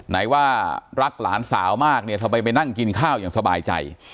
ไหนว่ารักหลานสาวมากเนี่ยทำไมไปนั่งกินข้าวอย่างสบายใจ